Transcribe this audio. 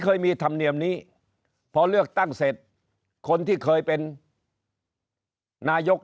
เคยมีธรรมเนียมนี้พอเลือกตั้งเสร็จคนที่เคยเป็นนายก